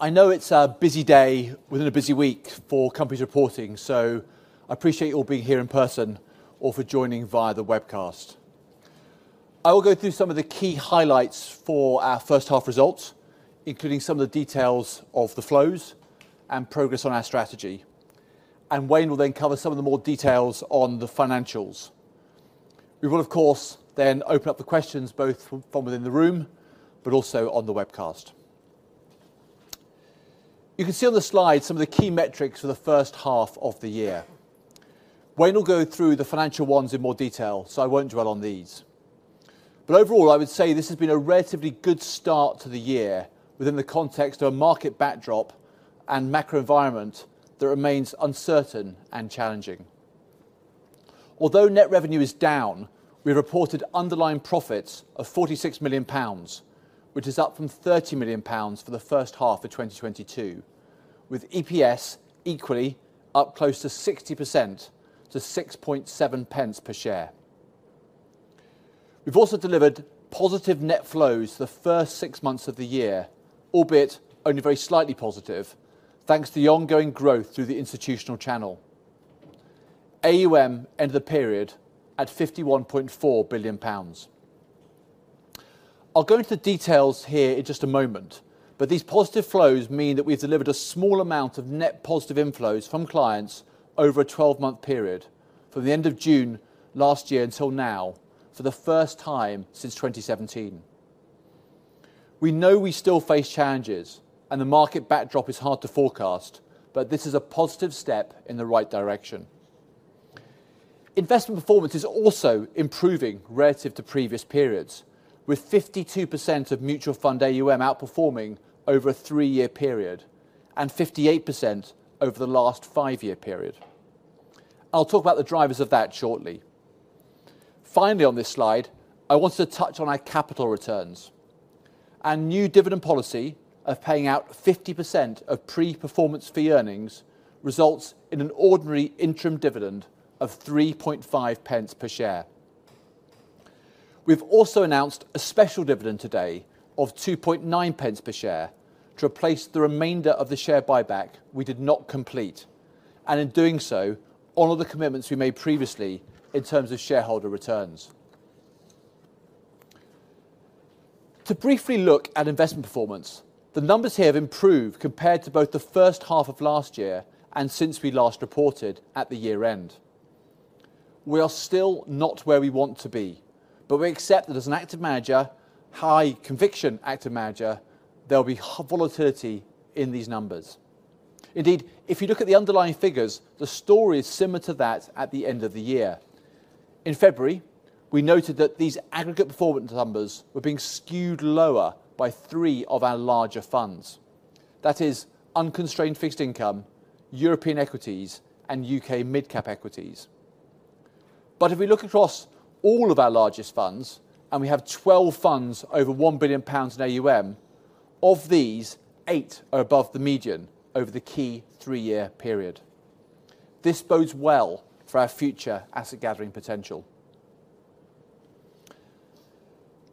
I know it's a busy day within a busy week for companies reporting, so I appreciate you all being here in person or for joining via the webcast. I will go through some of the key highlights for our first half results, including some of the details of the flows and progress on our strategy, and Wayne will then cover some of the more details on the financials. We will, of course, then open up the questions, both from within the room, but also on the webcast. You can see on the slide some of the key metrics for the first half of the year. Wayne will go through the financial ones in more detail, so I won't dwell on these. Overall, I would say this has been a relatively good start to the year within the context of a market backdrop and macro environment that remains uncertain and challenging. Although net revenue is down, we reported underlying profits of 46 million pounds, which is up from 30 million pounds for the first half of 2022, with EPS equally up close to 60% to six point seven pence per share. We've also delivered positive net flows for the first six months of the year, albeit only very slightly positive, thanks to the ongoing growth through the institutional channel. AUM ended the period at 51.4 billion pounds. I'll go into the details here in just a moment. These positive flows mean that we've delivered a small amount of net positive inflows from clients over a 12-month period, from the end of June last year until now, for the first time since 2017. We know we still face challenges, and the market backdrop is hard to forecast, but this is a positive step in the right direction. Investment performance is also improving relative to previous periods, with 52% of mutual fund AUM outperforming over a three-year period and 58% over the last five-year period. I'll talk about the drivers of that shortly. Finally, on this slide, I wanted to touch on our capital returns. Our new dividend policy of paying out 50% of pre-performance fee earnings results in an ordinary interim dividend of 0.035 per share. We've also announced a special dividend today of two point nine pence per share to replace the remainder of the share buyback we did not complete. In doing so, honor the commitments we made previously in terms of shareholder returns. To briefly look at investment performance, the numbers here have improved compared to both the first half of last year and since we last reported at the year-end. We are still not where we want to be. We accept that as an active manager, high conviction active manager, there will be volatility in these numbers. Indeed, if you look at the underlying figures, the story is similar to that at the end of the year. In February, we noted that these aggregate performance numbers were being skewed lower by three of our larger funds. That is, unconstrained fixed income, European equities, and U.K. mid-cap equities. If we look across all of our largest funds, and we have 12 funds over 1 billion pounds in AUM, of these, eight are above the median over the key three-year period. This bodes well for our future asset gathering potential.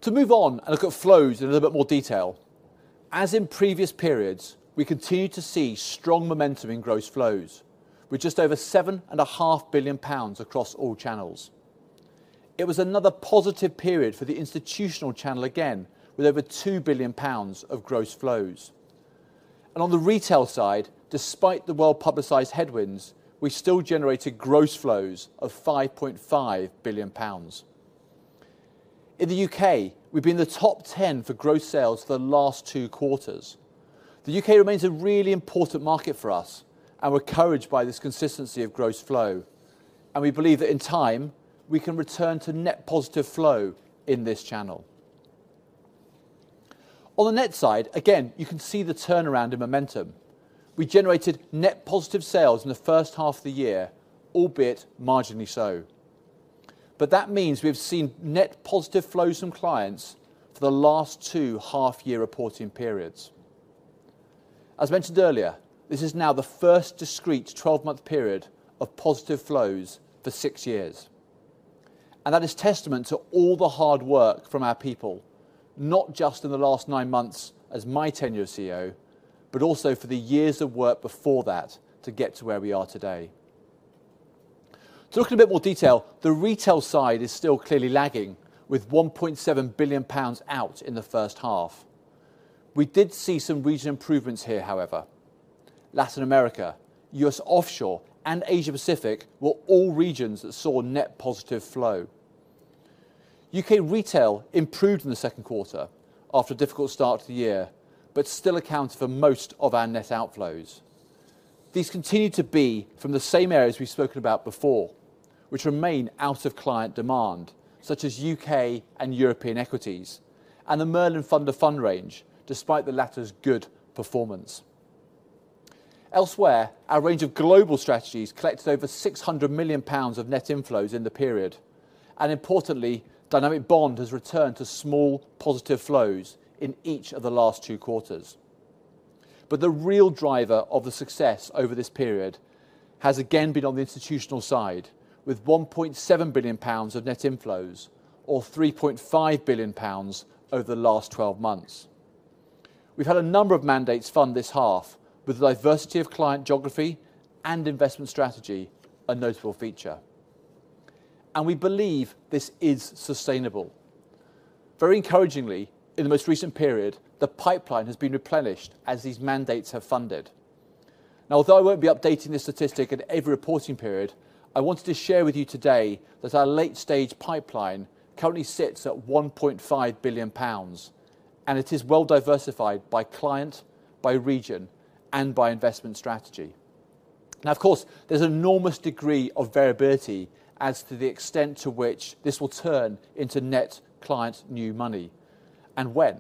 To move on and look at flows in a little bit more detail, as in previous periods, we continue to see strong momentum in gross flows, with just over 7.5 billion pounds across all channels. It was another positive period for the institutional channel again, with over 2 billion pounds of gross flows. On the retail side, despite the well-publicized headwinds, we still generated gross flows of 5.5 billion pounds. In the U.K., we've been in the top 10 for gross sales for the last two quarters. The U.K. remains a really important market for us, and we're encouraged by this consistency of gross flow, and we believe that in time, we can return to net positive flow in this channel. On the net side, again, you can see the turnaround in momentum. We generated net positive sales in the first half of the year, albeit marginally so. That means we've seen net positive flows from clients for the last two half-year reporting periods. As mentioned earlier, this is now the first discrete 12-month period of positive flows for six years, and that is testament to all the hard work from our people, not just in the last nine months as my tenure as CEO, but also for the years of work before that to get to where we are today. To look in a bit more detail, the retail side is still clearly lagging, with 1.7 billion pounds out in H1 2023. We did see some region improvements here, however. Latin America, U.S. Offshore, and Asia Pacific were all regions that saw net positive flow. U.K. retail improved in the second quarter after a difficult start to the year, but still accounted for most of our net outflows. These continued to be from the same areas we've spoken about before, which remain out of client demand, such as U.K. and European equities, and the Merlin Fund to Fund range, despite the latter's good performance. Elsewhere, our range of global strategies collected over 600 million pounds of net inflows in the period, and importantly, Dynamic Bond has returned to small positive flows in each of the last two quarters. The real driver of the success over this period has again been on the institutional side, with 1.7 billion pounds of net inflows, or 3.5 billion pounds over the last 12 months. We've had a number of mandates fund this half, with a diversity of client geography and investment strategy, a notable feature. We believe this is sustainable. Very encouragingly, in the most recent period, the pipeline has been replenished as these mandates have funded. Although I won't be updating this statistic at every reporting period, I wanted to share with you today that our late-stage pipeline currently sits at 1.5 billion pounds, and it is well diversified by client, by region, and by investment strategy. Of course, there's an enormous degree of variability as to the extent to which this will turn into net client new money and when,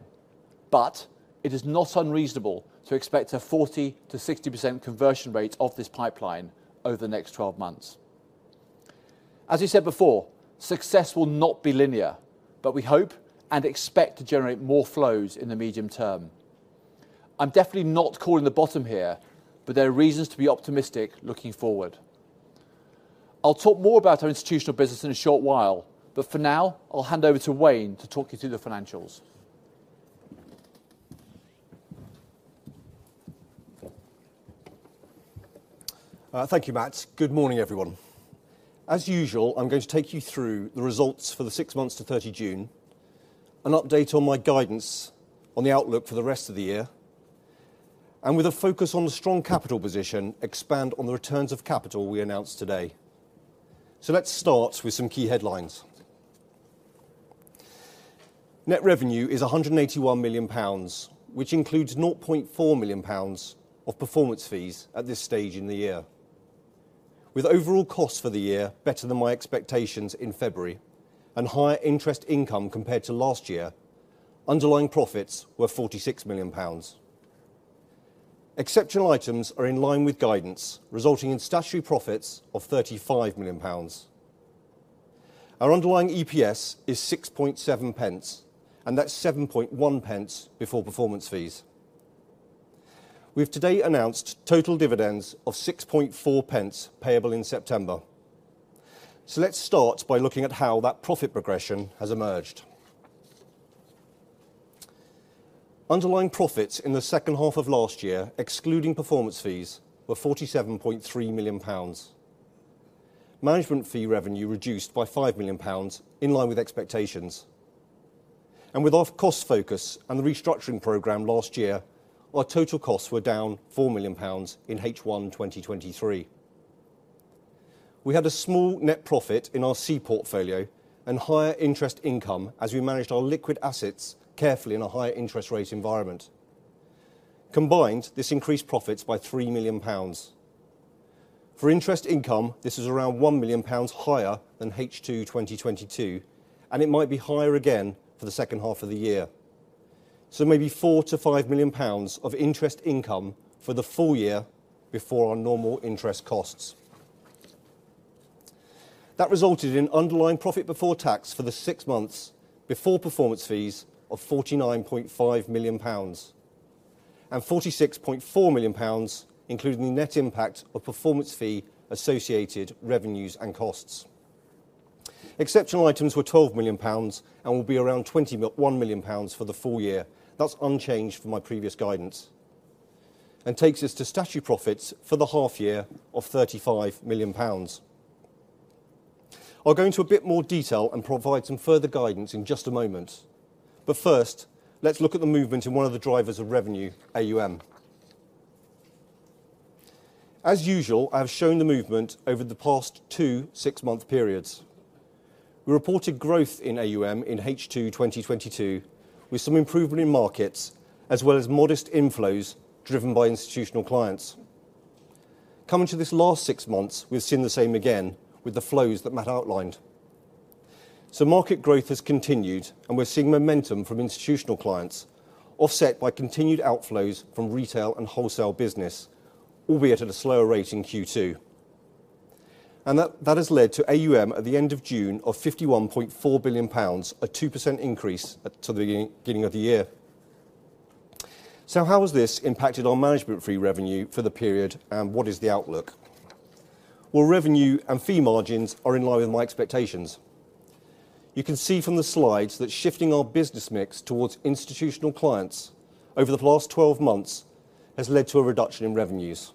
but it is not unreasonable to expect a 40%-60% conversion rate of this pipeline over the next 12 months. We said before, success will not be linear, but we hope and expect to generate more flows in the medium term. I'm definitely not calling the bottom here, but there are reasons to be optimistic looking forward. I'll talk more about our institutional business in a short while, but for now, I'll hand over to Wayne to talk you through the financials. Thank you, Matt. Good morning, everyone. As usual, I'm going to take you through the results for the six months to 30 June, an update on my guidance on the outlook for the rest of the year, and with a focus on the strong capital position, expand on the returns of capital we announced today. Let's start with some key headlines. Net revenue is 181 million pounds, which includes 0.4 million pounds of performance fees at this stage in the year. With overall costs for the year better than my expectations in February and higher interest income compared to last year, underlying profits were 46 million pounds. Exceptional items are in line with guidance, resulting in statutory profits of 35 million pounds. Our underlying EPS is six point seven pence, and that's seven point one pence before performance fees. We've today announced total dividends of six point four pence, payable in September. Let's start by looking at how that profit progression has emerged. Underlying profits in the second half of last year, excluding performance fees, were 47.3 million pounds. Management fee revenue reduced by 5 million pounds, in line with expectations. With our cost focus and the restructuring program last year, our total costs were down 4 million pounds in H1 2023. We had a small net profit in our C portfolio and higher interest income as we managed our liquid assets carefully in a higher interest rate environment. Combined, this increased profits by 3 million pounds. For interest income, this is around 1 million pounds higher than H2 2022, and it might be higher again for the second half of the year. Maybe 4 million-5 million pounds of interest income for the full year before our normal interest costs. That resulted in underlying profit before tax for the six months before performance fees of 49.5 million pounds, and 46.4 million pounds, including the net impact of performance fee associated revenues and costs. Exceptional items were 12 million pounds and will be around 21 million pounds for the full year. That's unchanged from my previous guidance and takes us to statutory profits for the half year of 35 million pounds. I'll go into a bit more detail and provide some further guidance in just a moment. First, let's look at the movement in one of the drivers of revenue, AUM. As usual, I've shown the movement over the past two six-month periods. We reported growth in AUM in H2 2022, with some improvement in markets, as well as modest inflows driven by institutional clients. Coming to this last six months, we've seen the same again with the flows that Matt outlined. Market growth has continued, and we're seeing momentum from institutional clients, offset by continued outflows from retail and wholesale business, albeit at a slower rate in Q2. That has led to AUM at the end of June of 51.4 billion pounds, a 2% increase to the beginning of the year. How has this impacted our management fee revenue for the period, and what is the outlook? Revenue and fee margins are in line with my expectations. You can see from the slides that shifting our business mix towards institutional clients over the past 12 months has led to a reduction in revenues,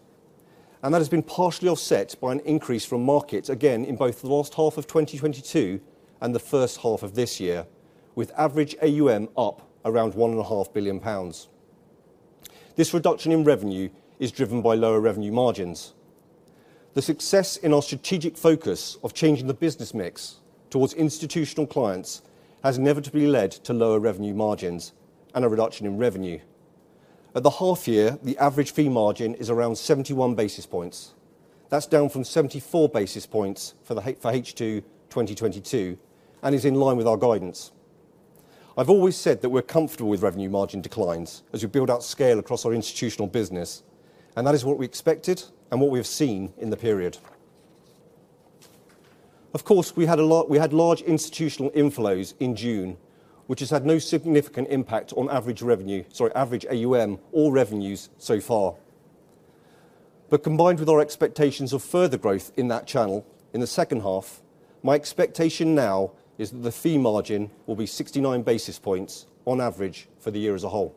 and that has been partially offset by an increase from markets, again, in both the last half of 2022 and the first half of this year, with average AUM up around one and a half billion pounds. This reduction in revenue is driven by lower revenue margins. The success in our strategic focus of changing the business mix towards institutional clients has inevitably led to lower revenue margins and a reduction in revenue. At the half year, the average fee margin is around 71 basis points. That's down from 74 basis points for H2 2022 and is in line with our guidance. I've always said that we're comfortable with revenue margin declines as we build out scale across our institutional business, and that is what we expected and what we have seen in the period. Of course, we had large institutional inflows in June, which has had no significant impact on average revenue, sorry, average AUM or revenues so far. Combined with our expectations of further growth in that channel in the second half, my expectation now is that the fee margin will be 69 basis points on average for the year as a whole.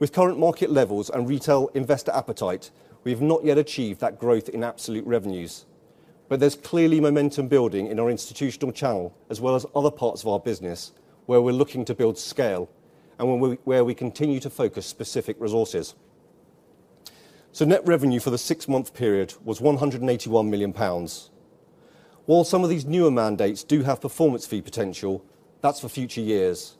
With current market levels and retail investor appetite, we have not yet achieved that growth in absolute revenues, but there's clearly momentum building in our institutional channel, as well as other parts of our business, where we're looking to build scale and where we continue to focus specific resources. Net revenue for the six-month period was 181 million pounds. While some of these newer mandates do have performance fee potential, that's for future years.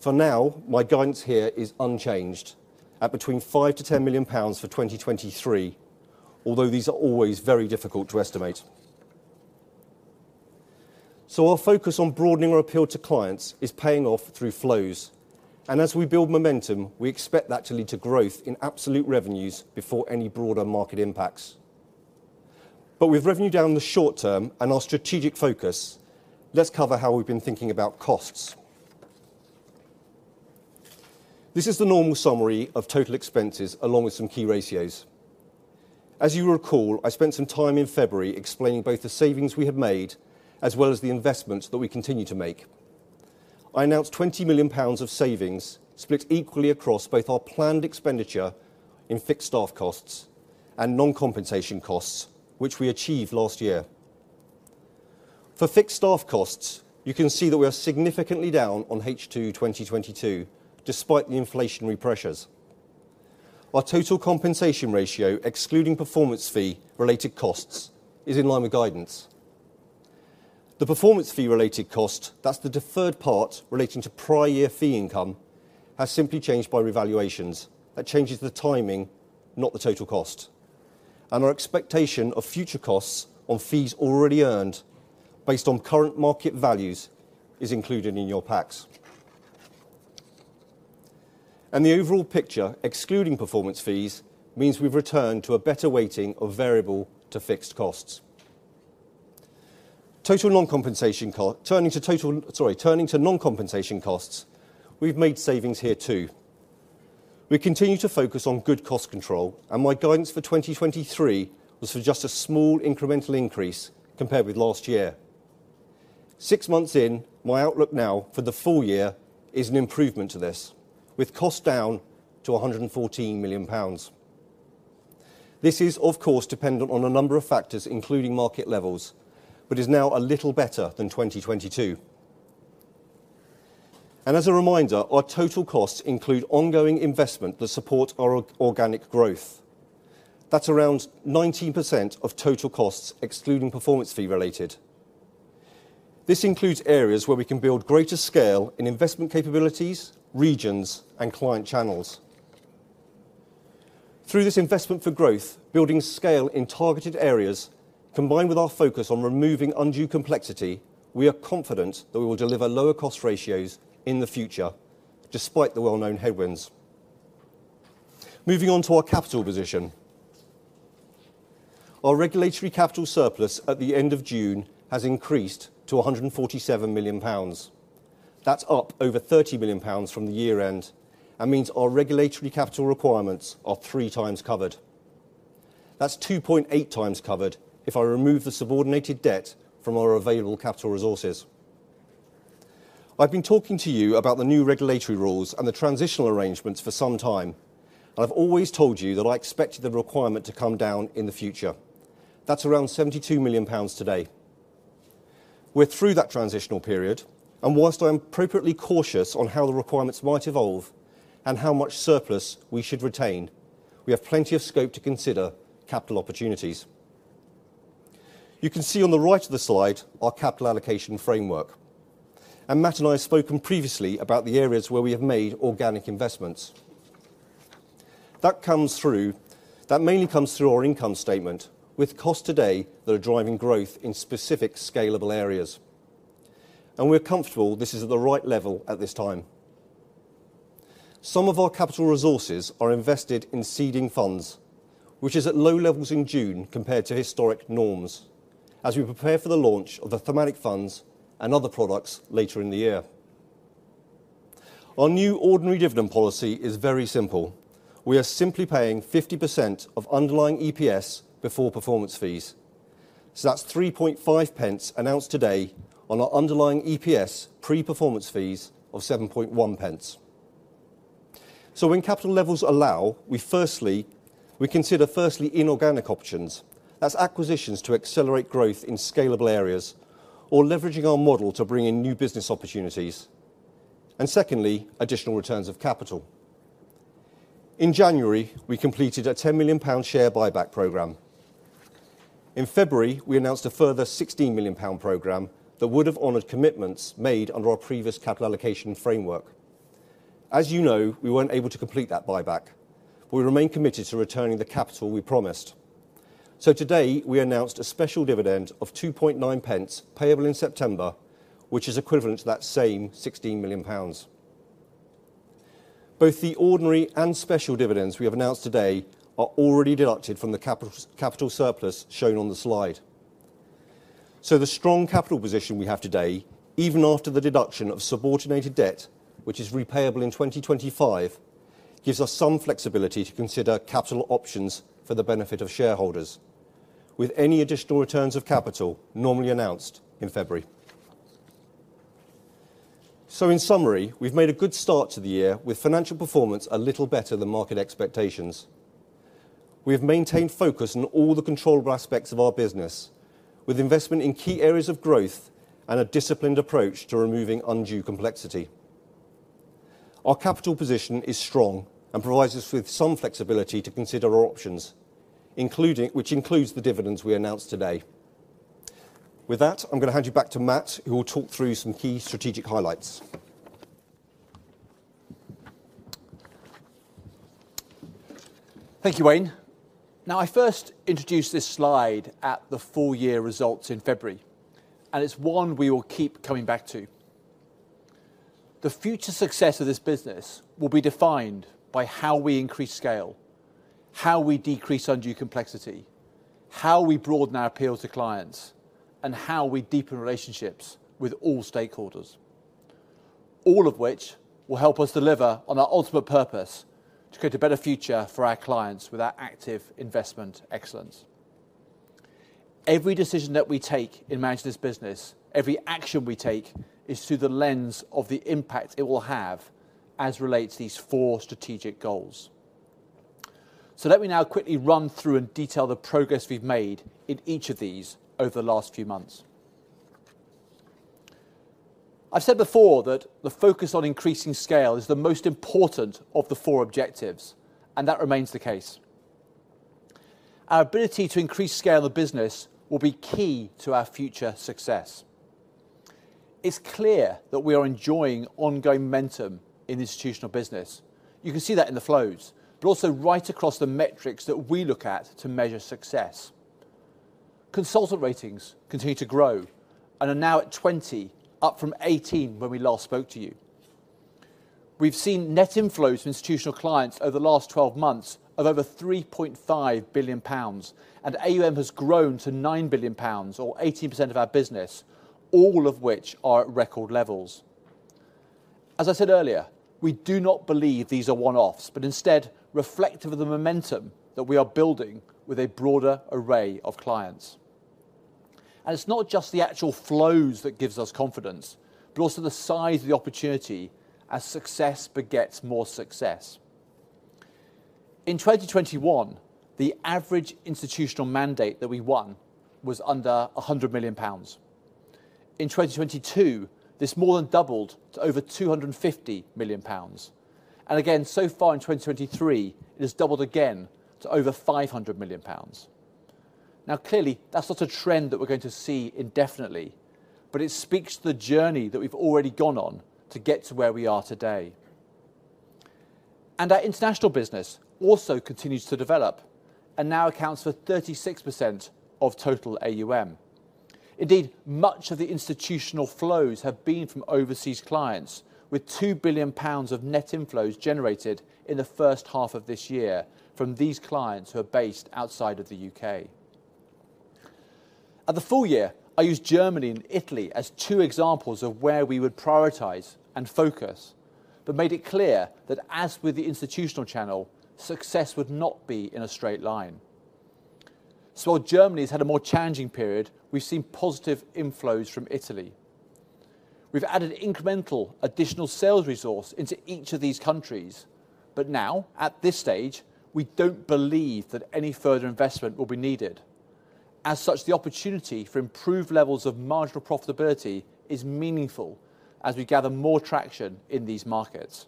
For now, my guidance here is unchanged at between 5 million-10 million pounds for 2023, although these are always very difficult to estimate. Our focus on broadening our appeal to clients is paying off through flows, and as we build momentum, we expect that to lead to growth in absolute revenues before any broader market impacts. With revenue down in the short term and our strategic focus, let's cover how we've been thinking about costs. This is the normal summary of total expenses, along with some key ratios. As you recall, I spent some time in February explaining both the savings we have made as well as the investments that we continue to make. I announced 20 million pounds of savings, split equally across both our planned expenditure in fixed staff costs and non-compensation costs, which we achieved last year. For fixed staff costs, you can see that we are significantly down on H2 2022, despite the inflationary pressures. Our total compensation ratio, excluding performance fee-related costs, is in line with guidance. The performance fee-related cost, that's the deferred part relating to prior year fee income, has simply changed by revaluations. That changes the timing, not the total cost. Our expectation of future costs on fees already earned, based on current market values, is included in your packs. The overall picture, excluding performance fees, means we've returned to a better weighting of variable to fixed costs. Turning to non-compensation costs, we've made savings here, too. We continue to focus on good cost control, my guidance for 2023 was for just a small incremental increase compared with last year. Six months in, my outlook now for the full year is an improvement to this, with costs down to 114 million pounds. This is, of course, dependent on a number of factors, including market levels, but is now a little better than 2022. As a reminder, our total costs include ongoing investment that support our organic growth. That's around 19% of total costs, excluding performance fee related. This includes areas where we can build greater scale in investment capabilities, regions, and client channels. Through this investment for growth, building scale in targeted areas, combined with our focus on removing undue complexity, we are confident that we will deliver lower cost ratios in the future, despite the well-known headwinds. Moving on to our capital position. Our regulatory capital surplus at the end of June has increased to 147 million pounds. That's up over 30 million pounds from the year end and means our regulatory capital requirements are three times covered. That's two point eight times covered if I remove the subordinated debt from our available capital resources. I've always told you that I expected the requirement to come down in the future. That's around 72 million pounds today. Whilst I'm appropriately cautious on how the requirements might evolve and how much surplus we should retain, we have plenty of scope to consider capital opportunities. You can see on the right of the slide our capital allocation framework. Matt and I have spoken previously about the areas where we have made organic investments. That mainly comes through our income statement, with costs today that are driving growth in specific scalable areas. We're comfortable this is at the right level at this time. Some of our capital resources are invested in seeding funds, which is at low levels in June compared to historic norms, as we prepare for the launch of the thematic funds and other products later in the year. Our new ordinary dividend policy is very simple. We are simply paying 50% of underlying EPS before performance fees. That's 0.035 announced today on our underlying EPS pre-performance fees of 0.071. When capital levels allow, we consider firstly inorganic options. That's acquisitions to accelerate growth in scalable areas or leveraging our model to bring in new business opportunities. Secondly, additional returns of capital. In January, we completed a 10 million pound share buyback program. In February, we announced a further 16 million pound program that would have honored commitments made under our previous capital allocation framework. As you know, we weren't able to complete that buyback. We remain committed to returning the capital we promised. Today, we announced a special dividend of two point nine pence, payable in September, which is equivalent to that same 16 million pounds. Both the ordinary and special dividends we have announced today are already deducted from the capital surplus shown on the slide. The strong capital position we have today, even after the deduction of subordinated debt, which is repayable in 2025, gives us some flexibility to consider capital options for the benefit of shareholders, with any additional returns of capital normally announced in February. In summary, we've made a good start to the year, with financial performance a little better than market expectations. We have maintained focus on all the controllable aspects of our business, with investment in key areas of growth and a disciplined approach to removing undue complexity. Our capital position is strong and provides us with some flexibility to consider our options, which includes the dividends we announced today. With that, I'm gonna hand you back to Matt, who will talk through some key strategic highlights. Thank you, Wayne. I first introduced this slide at the full year results in February, and it's one we will keep coming back to. The future success of this business will be defined by how we increase scale, how we decrease undue complexity, how we broaden our appeal to clients, and how we deepen relationships with all stakeholders. All of which will help us deliver on our ultimate purpose: to create a better future for our clients with our active investment excellence. Every decision that we take in managing this business, every action we take, is through the lens of the impact it will have as relates to these four strategic goals. Let me now quickly run through and detail the progress we've made in each of these over the last few months. I've said before that the focus on increasing scale is the most important of the four objectives, that remains the case. Our ability to increase scale of the business will be key to our future success. It's clear that we are enjoying ongoing momentum in institutional business. You can see that in the flows, but also right across the metrics that we look at to measure success. Consultant ratings continue to grow and are now at 20, up from 18 when we last spoke to you. We've seen net inflows from institutional clients over the last 12 months of over 3.5 billion pounds, and AUM has grown to 9 billion pounds, or 80% of our business, all of which are at record levels. As I said earlier, we do not believe these are one-offs, but instead reflective of the momentum that we are building with a broader array of clients. It's not just the actual flows that gives us confidence, but also the size of the opportunity as success begets more success. In 2021, the average institutional mandate that we won was under 100 million pounds. In 2022, this more than doubled to over 250 million pounds. Again, so far in 2023, it has doubled again to over 500 million pounds. Clearly, that's not a trend that we're going to see indefinitely, but it speaks to the journey that we've already gone on to get to where we are today. Our international business also continues to develop and now accounts for 36% of total AUM. Indeed, much of the institutional flows have been from overseas clients, with 2 billion pounds of net inflows generated in the first half of this year from these clients who are based outside of the U.K. At the full year, I used Germany and Italy as two examples of where we would prioritize and focus, but made it clear that as with the institutional channel, success would not be in a straight line. While Germany has had a more challenging period, we've seen positive inflows from Italy. We've added incremental additional sales resource into each of these countries, but now, at this stage, we don't believe that any further investment will be needed. The opportunity for improved levels of marginal profitability is meaningful as we gather more traction in these markets.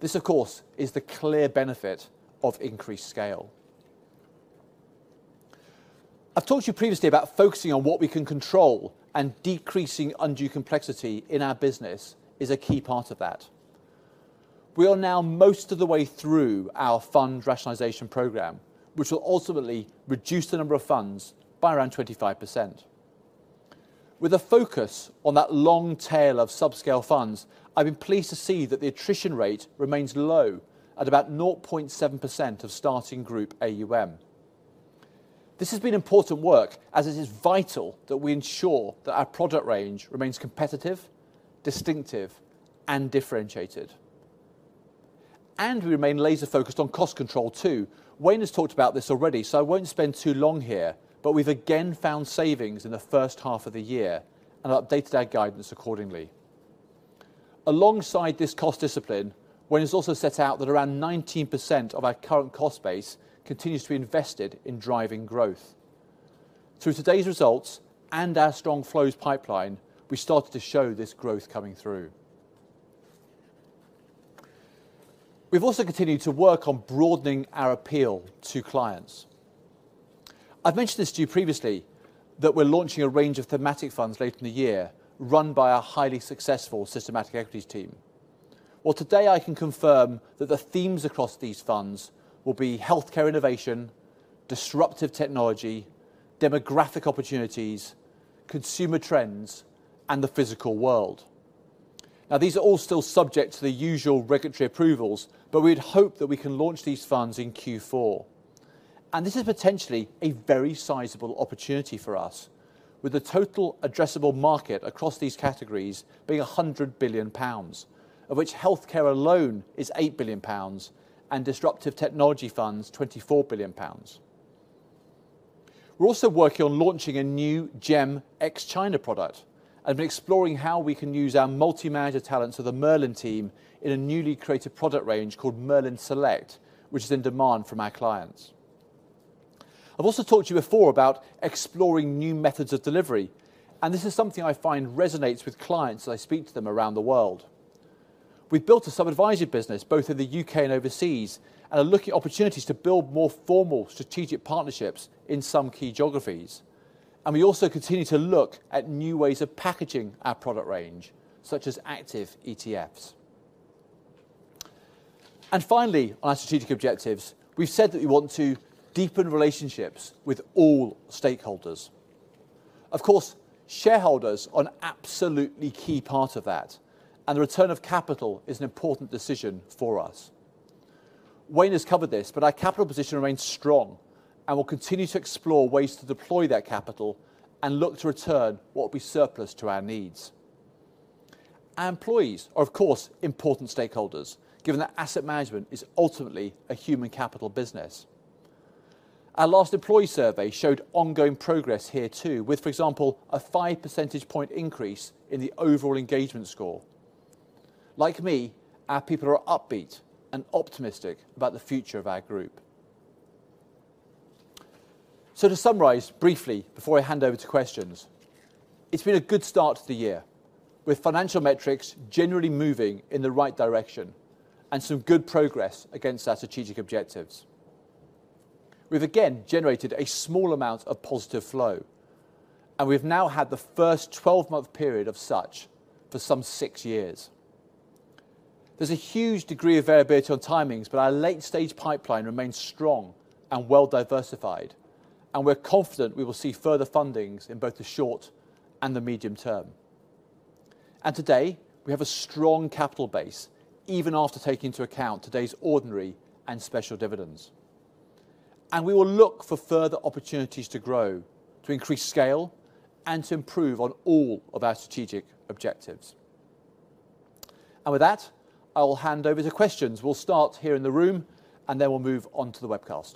This, of course, is the clear benefit of increased scale. I've talked to you previously about focusing on what we can control, and decreasing undue complexity in our business is a key part of that. We are now most of the way through our fund rationalization program, which will ultimately reduce the number of funds by around 25%. With a focus on that long tail of subscale funds, I've been pleased to see that the attrition rate remains low at about 0.7% of starting group AUM. This has been important work as it is vital that we ensure that our product range remains competitive, distinctive, and differentiated. We remain laser-focused on cost control, too. Wayne has talked about this already, so I won't spend too long here, but we've again found savings in the first half of the year and updated our guidance accordingly. Alongside this cost discipline, Wayne has also set out that around 19% of our current cost base continues to be invested in driving growth. Through today's results and our strong flows pipeline, we started to show this growth coming through. We've also continued to work on broadening our appeal to clients. I've mentioned this to you previously, that we're launching a range of thematic funds later in the year, run by our highly successful systematic equities team. Today I can confirm that the themes across these funds will be healthcare innovation, disruptive technology, demographic opportunities, consumer trends, and the physical world. These are all still subject to the usual regulatory approvals, but we'd hope that we can launch these funds in Q4. This is potentially a very sizable opportunity for us, with the total addressable market across these categories being 100 billion pounds, of which healthcare alone is 8 billion pounds, and disruptive technology funds, 24 billion pounds. We're also working on launching a new GEM ex-China product, and we're exploring how we can use our multi-manager talents of the Jupiter Merlin team in a newly created product range called Jupiter Merlin Select, which is in demand from our clients. I've also talked to you before about exploring new methods of delivery, and this is something I find resonates with clients as I speak to them around the world. We've built a sub-advisory business, both in the U.K. and overseas, and are looking at opportunities to build more formal strategic partnerships in some key geographies. We also continue to look at new ways of packaging our product range, such as active ETFs. Finally, on our strategic objectives, we've said that we want to deepen relationships with all stakeholders. Of course, shareholders are an absolutely key part of that, and the return of capital is an important decision for us. Wayne has covered this, but our capital position remains strong, and we'll continue to explore ways to deploy that capital and look to return what will be surplus to our needs. Our employees are, of course, important stakeholders, given that asset management is ultimately a human capital business. Our last employee survey showed ongoing progress here, too, with, for example, a 5-percentage point increase in the overall engagement score. Like me, our people are upbeat and optimistic about the future of our group. To summarize briefly before I hand over to questions, it's been a good start to the year, with financial metrics generally moving in the right direction and some good progress against our strategic objectives. We've again generated a small amount of positive flow, and we've now had the first 12-month period of such for some six years. There's a huge degree of variability on timings, but our late-stage pipeline remains strong and well-diversified, and we're confident we will see further fundings in both the short and the medium term. Today, we have a strong capital base, even after taking into account today's ordinary and special dividends. We will look for further opportunities to grow, to increase scale, and to improve on all of our strategic objectives. With that, I will hand over to questions. We'll start here in the room, and then we'll move on to the webcast.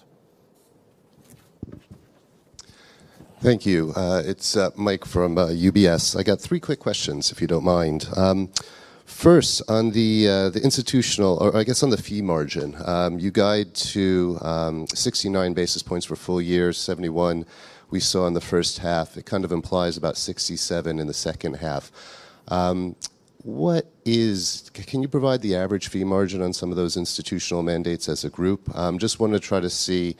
Thank you. It's Mike from UBS. I got three quick questions, if you don't mind. First, I guess on the fee margin, you guide to 69 basis points for full year, 71 we saw in the first half. It kind of implies about 67 in the second half. Can you provide the average fee margin on some of those institutional mandates as a group? Just want to try to see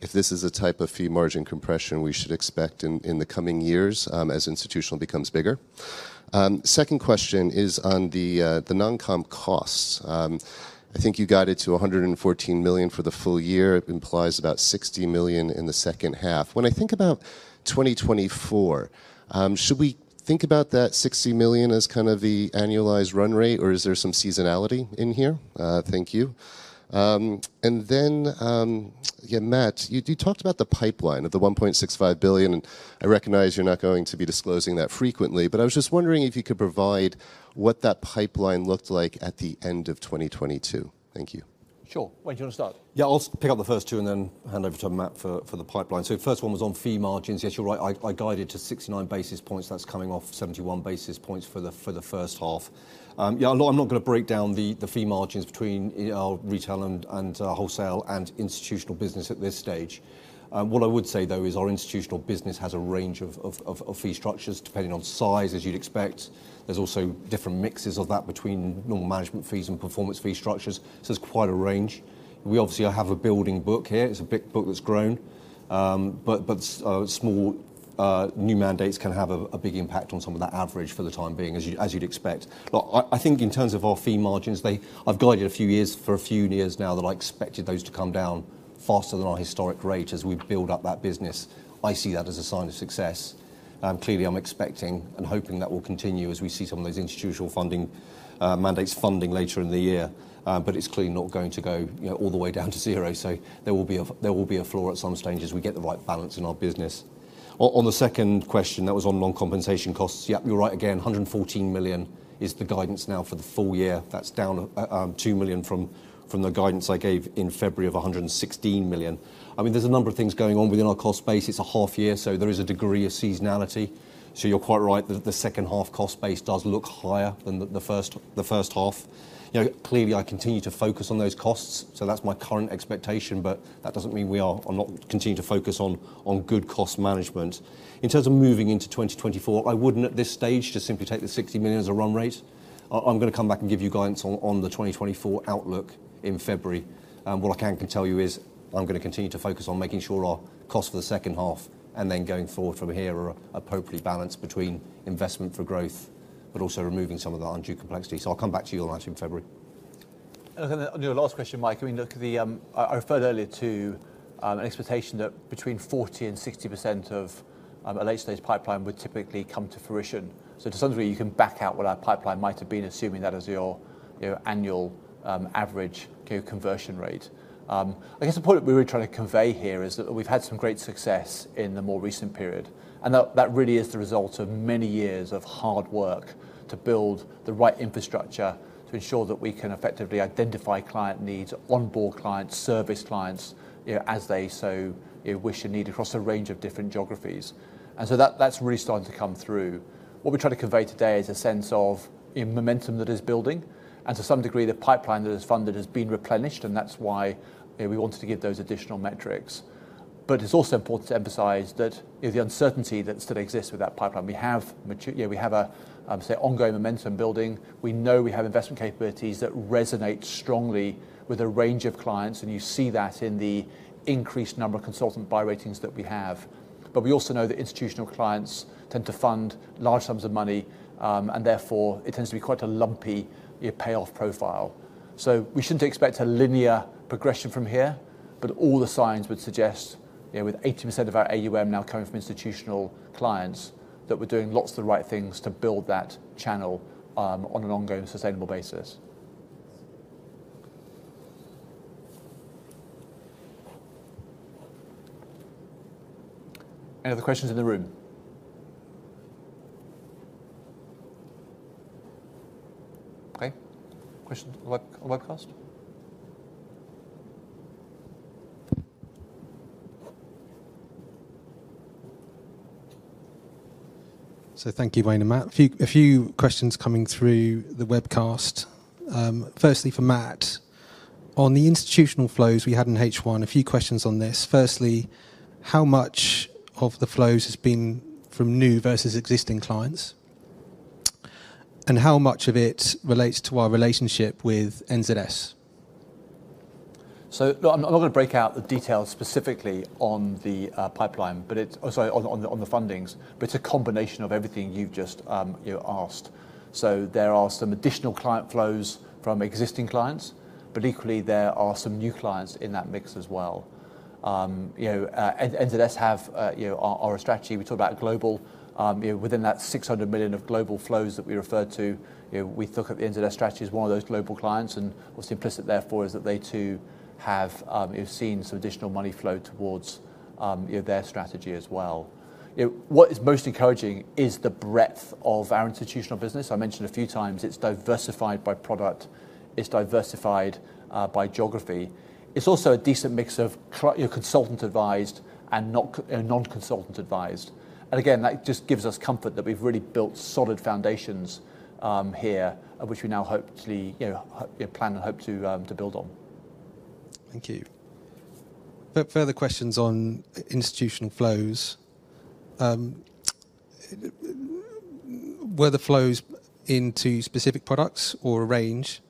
if this is a type of fee margin compression we should expect in the coming years, as institutional becomes bigger. Second question is on the non-comp costs. I think you got it to 114 million for the full year. It implies about 60 million in the second half. When I think about 2024, should we think about that 60 million as kind of the annualized run rate, or is there some seasonality in here? Thank you. Yeah, Matt, you talked about the pipeline of the 1.65 billion, and I recognize you're not going to be disclosing that frequently, but I was just wondering if you could provide what that pipeline looked like at the end of 2022. Thank you. Sure. Wayne, do you want to start? I'll pick up the first two and then hand over to Matt for the pipeline. First one was on fee margins. Yes, you're right. I guided to 69 basis points. That's coming off 71 basis points for the first half. I'm not going to break down the fee margins between our retail and wholesale and institutional business at this stage. What I would say, though, is our institutional business has a range of fee structures, depending on size, as you'd expect. There's also different mixes of that between normal management fees and performance fee structures. There's quite a range. We obviously have a building book here. It's a big book that's grown. Small new mandates can have a big impact on some of that average for the time being, as you'd expect. I think in terms of our fee margins, I've guided for a few years now that I expected those to come down faster than our historic rate as we build up that business. I see that as a sign of success. Clearly, I'm expecting and hoping that will continue as we see some of those institutional funding mandates funding later in the year. It's clearly not going to go, you know, all the way down to zero, so there will be a floor at some stage as we get the right balance in our business. On the second question, that was on non-compensation costs. Yeah, you're right again. 114 million is the guidance now for the full year. That's down 2 million from the guidance I gave in February of 116 million. I mean, there's a number of things going on within our cost base. It's a half year, there is a degree of seasonality. You're quite right, the second half cost base does look higher than the first half. You know, clearly, I continue to focus on those costs, that's my current expectation, but that doesn't mean we are or not continuing to focus on good cost management. In terms of moving into 2024, I wouldn't, at this stage, just simply take the 60 million as a run rate. I'm going to come back and give you guidance on the 2024 outlook in February. What I can tell you is I'm going to continue to focus on making sure our costs for the second half, and then going forward from here, are appropriately balanced between investment for growth, but also removing some of the undue complexity. I'll come back to you on that in February. On your last question, Mike, I mean, look, the, I referred earlier to an expectation that between 40% and 60% of a late-stage pipeline would typically come to fruition. To some degree, you can back out what our pipeline might have been, assuming that as your annual average, you know, conversion rate. I guess the point we were trying to convey here is that we've had some great success in the more recent period, and that really is the result of many years of hard work to build the right infrastructure to ensure that we can effectively identify client needs, onboard clients, service clients, you know, as they so wish and need across a range of different geographies. That, that's really starting to come through. What we're trying to convey today is a sense of a momentum that is building, and to some degree, the pipeline that is funded has been replenished, and that's why, you know, we wanted to give those additional metrics. It's also important to emphasize that the uncertainty that still exists with that pipeline. We have yeah, we have a, say, ongoing momentum building. We know we have investment capabilities that resonate strongly with a range of clients, and you see that in the increased number of consultant buy ratings that we have. We also know that institutional clients tend to fund large sums of money, and therefore, it tends to be quite a lumpy, a payoff profile. We shouldn't expect a linear progression from here, but all the signs would suggest, you know, with 80% of our AUM now coming from institutional clients, that we're doing lots of the right things to build that channel, on an ongoing, sustainable basis. Any other questions in the room? Okay. Questions on web, on webcast? Thank you, Wayne and Matt. A few questions coming through the webcast. Firstly, for Matt, on the institutional flows we had in H1, a few questions on this. Firstly, how much of the flows has been from new versus existing clients? How much of it relates to our relationship with NZS? I'm not going to break out the details specifically on the pipeline, on the fundings, but it's a combination of everything you've just, you know, asked. There are some additional client flows from existing clients, but equally, there are some new clients in that mix as well. You know, NZS have, you know, our strategy, we talk about global, you know, within that 600 million of global flows that we referred to, you know, we think of the NZS strategy as one of those global clients, and what's implicit, therefore, is that they too have, you know, seen some additional money flow towards, you know, their strategy as well. You know, what is most encouraging is the breadth of our institutional business. I mentioned a few times, it's diversified by product, it's diversified, by geography. It's also a decent mix of you know, consultant-advised and not and non-consultant-advised. Again, that just gives us comfort that we've really built solid foundations, here, which we now hopefully, you know, plan and hope to build on. Thank you. Further questions on institutional flows. Were the flows into specific products or a range?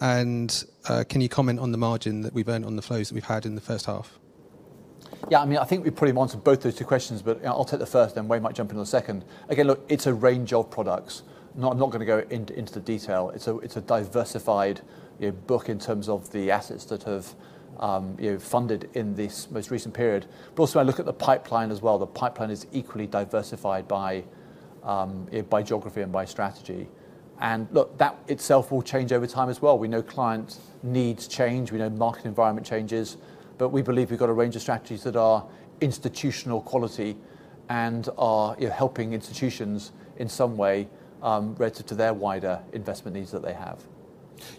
Can you comment on the margin that we've earned on the flows that we've had in the first half? I mean, I think we probably answered both those two questions. I'll take the first, then Wayne might jump in on the second. Again, look, it's a range of products. I'm not going to go into the detail. It's a diversified book in terms of the assets that have, you know, funded in this most recent period. Also, I look at the pipeline as well. The pipeline is equally diversified by geography and by strategy. Look, that itself will change over time as well. We know clients' needs change, we know the market environment changes. We believe we've got a range of strategies that are institutional quality and are, you know, helping institutions in some way relative to their wider investment needs that they have.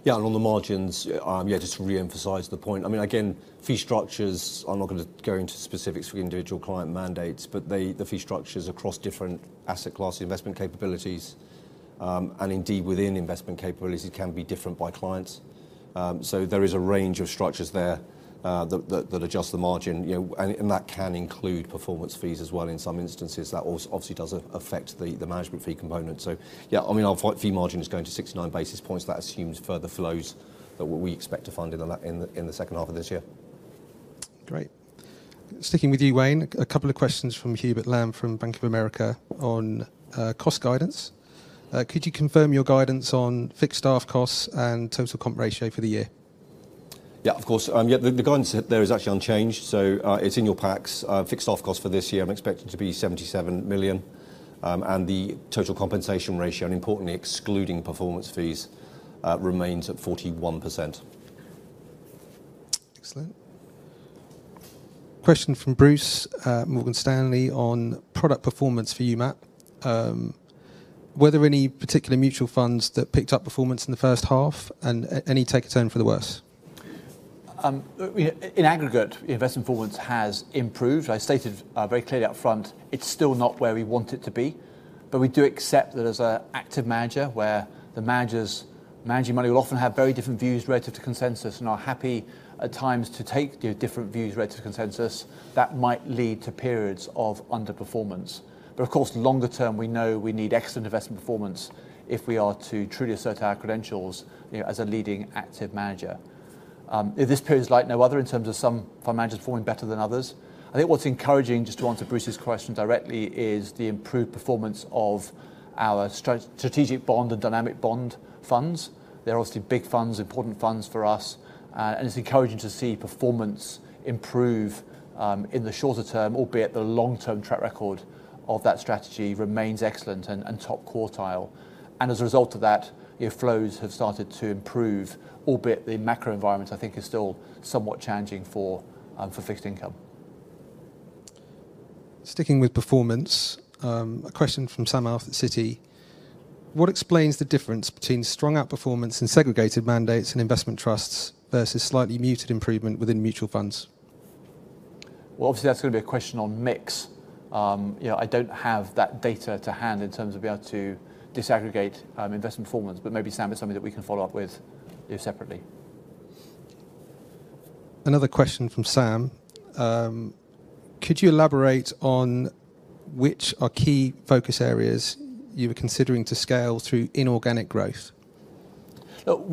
On the margins, just to reemphasize the point, again, fee structures, I'm not going to go into specifics for individual client mandates, but the fee structures across different asset class, investment capabilities, and indeed within investment capabilities, can be different by clients. There is a range of structures there, that adjust the margin, and that can include performance fees as well in some instances. That also obviously does affect the management fee component. Our fee margin is going to 69 basis points. That assumes further flows that we expect to fund in the second half of this year. Great. Sticking with you, Wayne, a couple of questions from Hubert Lam from Bank of America on cost guidance. Could you confirm your guidance on fixed staff costs and total comp ratio for the year? Yeah, of course. Yeah, the guidance there is actually unchanged, so it's in your packs. Fixed staff cost for this year, I'm expecting to be 77 million, and the total compensation ratio, and importantly, excluding performance fees, remains at 41%. Excellent. Question from Bruce, Morgan Stanley, on product performance for you, Matt. Were there any particular mutual funds that picked up performance in the first half, and any take a turn for the worse? We, in aggregate, investment performance has improved. I stated very clearly up front, it's still not where we want it to be, but we do accept that as a active manager, where the managers managing money will often have very different views relative to consensus and are happy at times to take the different views relative to consensus, that might lead to periods of underperformance. Of course, longer term, we know we need excellent investment performance if we are to truly assert our credentials, you know, as a leading active manager. This period is like no other in terms of some fund managers performing better than others. I think what's encouraging, just to answer Bruce's question directly, is the improved performance of our Strategic Bond and Dynamic Bond funds. They're obviously big funds, important funds for us, and it's encouraging to see performance improve, in the shorter term, albeit the long-term track record of that strategy remains excellent and top quartile. As a result of that, your flows have started to improve, albeit the macro environment, I think, is still somewhat challenging for fixed income. Sticking with performance, a question from Samuel Arthur at Citi: What explains the difference between strong outperformance in segregated mandates and investment trusts versus slightly muted improvement within mutual funds? Obviously, that's gonna be a question on mix. You know, I don't have that data to hand in terms of being able to disaggregate, investment performance, but maybe Sam, it's something that we can follow up with you separately. Another question from Sam. Could you elaborate on which are key focus areas you were considering to scale through inorganic growth? Look,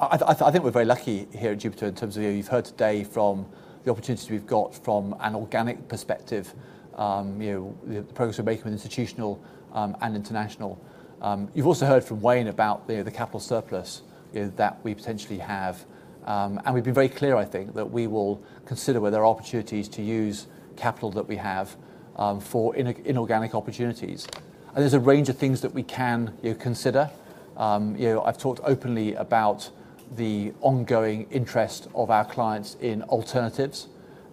I think we're very lucky here at Jupiter in terms of, you've heard today from the opportunities we've got from an organic perspective, you know, the progress we're making with institutional and international. You've also heard from Wayne about the capital surplus, you know, that we potentially have. We've been very clear, I think, that we will consider where there are opportunities to use capital that we have for inorganic opportunities. There's a range of things that we can, you know, consider. You know, I've talked openly about the ongoing interest of our clients in alternatives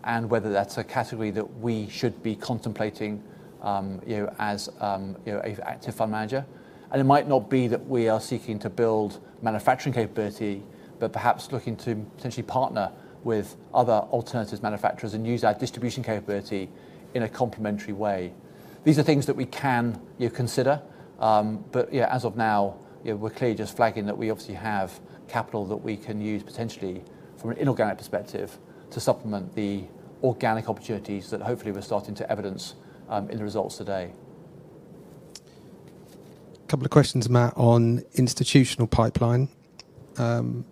and whether that's a category that we should be contemplating, you know, as, you know, a active fund manager. It might not be that we are seeking to build manufacturing capability, but perhaps looking to potentially partner with other alternatives manufacturers and use our distribution capability in a complementary way. These are things that we can, you know, consider. Yeah, as of now, you know, we're clearly just flagging that we obviously have capital that we can use potentially from an inorganic perspective to supplement the organic opportunities that hopefully we're starting to evidence in the results today. A couple of questions, Matt, on institutional pipeline, from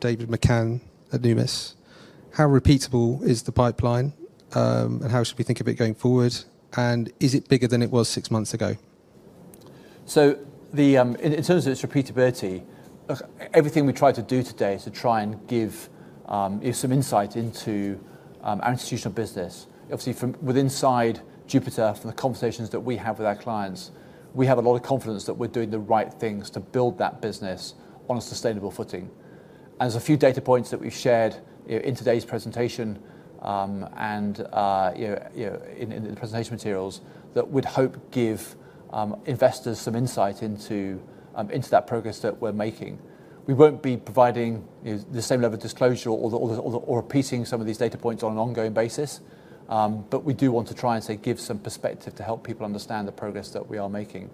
David McCann, Analyst, Numis. How repeatable is the pipeline, and how should we think of it going forward? Is it bigger than it was six months ago? In terms of its repeatability, look, everything we tried to do today is to try and give you some insight into our institutional business. Obviously, from with inside Jupiter, from the conversations that we have with our clients, we have a lot of confidence that we're doing the right things to build that business on a sustainable footing. There's a few data points that we've shared, you know, in today's presentation, and in the presentation materials, that we'd hope give investors some insight into that progress that we're making. We won't be providing, you know, the same level of disclosure or repeating some of these data points on an ongoing basis, but we do want to try and, say, give some perspective to help people understand the progress that we are making.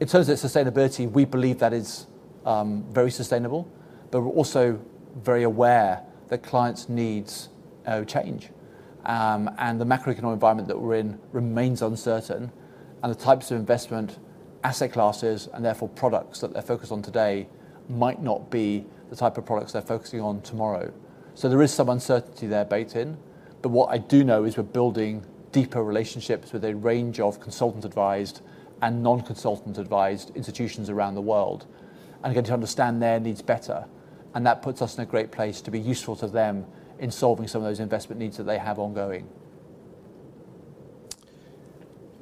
In terms of its sustainability, we believe that it's very sustainable, but we're also very aware that clients' needs change. The macroeconomic environment that we're in remains uncertain, and the types of investment, asset classes, and therefore products that they're focused on today might not be the type of products they're focusing on tomorrow. There is some uncertainty there baked in, but what I do know is we're building deeper relationships with a range of consultant-advised and non-consultant-advised institutions around the world, and getting to understand their needs better, and that puts us in a great place to be useful to them in solving some of those investment needs that they have ongoing.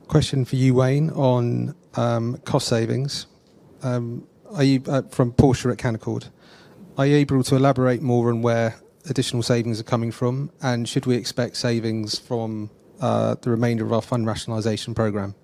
Question for you, Wayne, on cost savings. Are you from Portia at Canaccord. Are you able to elaborate more on where additional savings are coming from, and should we expect savings from the remainder of our fund rationalization program?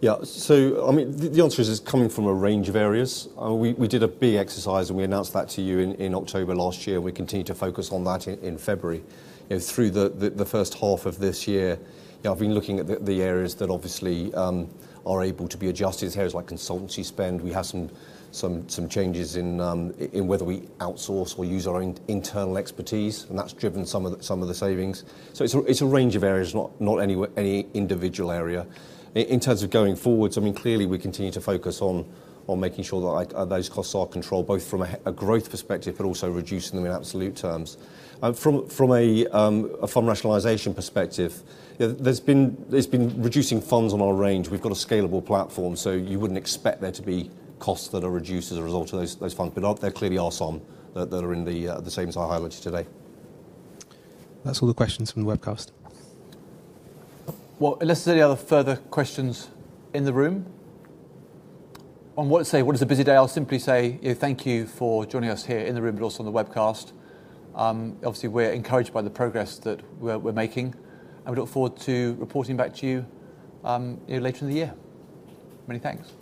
Yeah. I mean, the answer is, it's coming from a range of areas. We did a big exercise, and we announced that to you in October last year, and we continued to focus on that in February. You know, through the first half of this year, you know, I've been looking at the areas that obviously are able to be adjusted. areas like consultancy spend. We have some changes in whether we outsource or use our internal expertise, and that's driven some of the savings. It's a range of areas, not any individual area. In terms of going forwards, I mean, clearly, we continue to focus on making sure that those costs are controlled, both from a growth perspective, but also reducing them in absolute terms. From a fund rationalization perspective, you know, there's been reducing funds on our range. We've got a scalable platform, so you wouldn't expect there to be costs that are reduced as a result of those funds, but there clearly are some that are in the savings I highlighted today. That's all the questions from the webcast. Well, unless there any other further questions in the room, on what say, what is a busy day, I'll simply say, you know, thank you for joining us here in the room, but also on the webcast. Obviously, we're encouraged by the progress that we're making, and we look forward to reporting back to you know, later in the year. Many thanks.